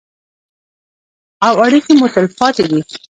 او اړیکې مو تلپاتې دي.